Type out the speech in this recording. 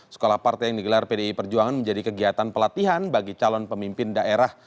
sekolah partai yang digelar pdi perjuangan menjadi kegiatan pelatihan bagi calon pemimpin daerah